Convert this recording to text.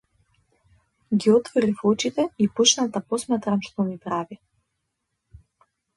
Ги отворив очите и почнав да посматрам што ми прави.